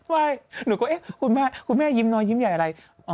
ไม่หนูก็คุณแม่ยิ้มหนอยยิ้มใยอะไร